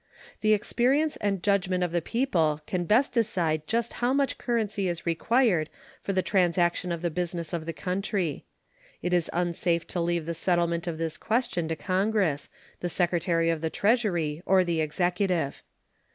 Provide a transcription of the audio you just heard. The experience and judgment of the people can best decide just how much currency is required for the transaction of the business of the country. It is unsafe to leave the settlement of this question to Congress, the Secretary of the Treasury, or the Executive.